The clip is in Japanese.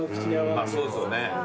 そうですよね。